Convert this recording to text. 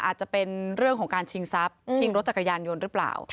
อาจจะเป็นเรื่องของการชิงทรัพย์ชิงรถจักรยานยนต์หรือเปล่า